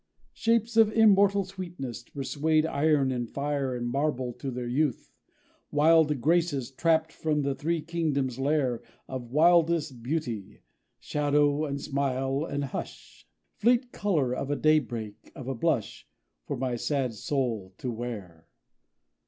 Shapes of immortal sweetness, to persuade Iron and fire and marble to their youth; Wild graces trapped from the three kingdoms' lair Of wildest Beauty; shadow and smile and hush; Fleet color, of a daybreak, of a blush, For my sad soul to wear!